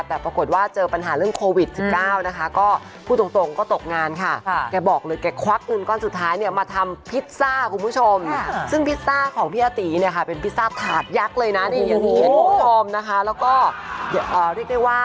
แต่ปรากฏว่าเจอปัญหาเรื่องโควิด๙นะคะก็พูดตรงก็ตกงานค่ะ